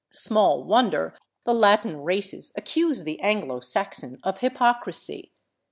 Small wonder the Latin races accuse the Anglo Saxon of hypocrisy.